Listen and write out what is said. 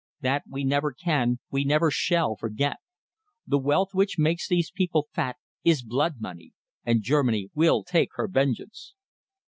That we never can, we never shall, forget. The wealth which makes these people fat is blood money, and Germany will take her vengeance."